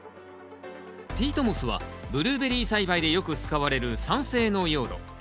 ピートモスはブルーベリー栽培でよく使われる酸性の用土。